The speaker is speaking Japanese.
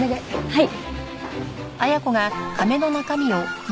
はい。